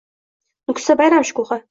Nukusda bayram shukuhi